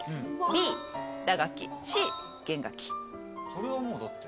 それはもうだって。